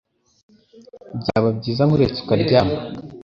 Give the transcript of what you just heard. Byaba byiza nkuretse ukaryama